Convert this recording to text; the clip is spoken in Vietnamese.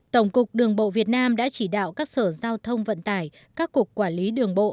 tổng cục đường bộ việt nam đã chỉ đạo các sở giao thông vận tải các cục quản lý đường bộ